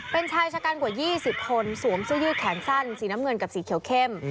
เป็นชายชะกันกว่า๒๐คนสวมเสื้อยืดแขนสั้นสีน้ำเงินกับสีเขียวเข้ม